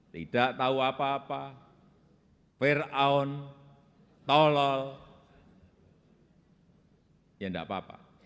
tidak tahu apa apa peraun tolol ya enggak apa apa